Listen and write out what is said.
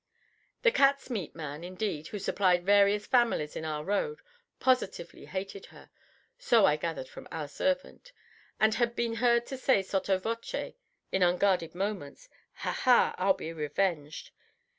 The cats' meat man, indeed, who supplied various families in our road, positively hated her so I gathered from our servant, and had been heard to say sotto voce in unguarded moments, "Ha! ha! I'll be revenged."